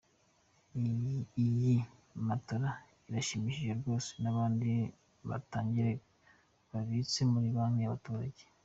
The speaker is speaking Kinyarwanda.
Iyi matora iranshimishije rwose n’abandi batangire babitse muri Banki y’Abaturage.